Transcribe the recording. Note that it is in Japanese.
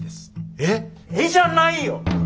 「えっ！？」じゃないよ！